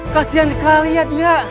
kasian kalian ya